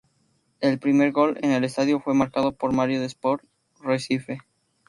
El primer gol en el estadio fue marcado por Mário de Sport Recife.